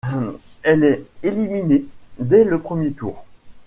Elle est éliminée dès le premier tour.